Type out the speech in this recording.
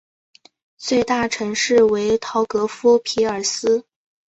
最大城市为陶格夫匹尔斯。